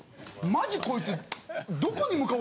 マジこいつ。